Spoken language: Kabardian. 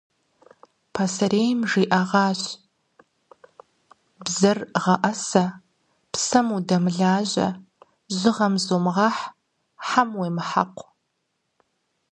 Пасэрейм жиӏэгъащ: бзэр гъэӏэсэ, псэм удэмылажьэ, жьыгъэм зумыгъэхь, хьэм уемыхьэкъу.